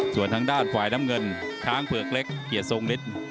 ส่วนทางด้านฝ่ายน้ำเงินช้างเผือกเล็กเกียรติทรงฤทธิ์